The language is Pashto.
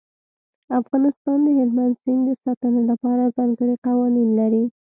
افغانستان د هلمند سیند د ساتنې لپاره ځانګړي قوانین لري.